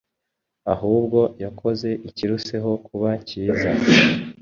ahubwo yakoze ikiruseho kuba cyiza